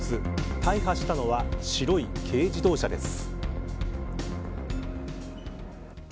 大破したのは白い軽自動車です。